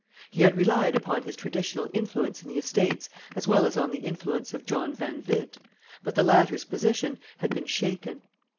He had relied upon his traditional influence in the Estates as well as on the influence of John van Witt; but the latter's position had been shaken.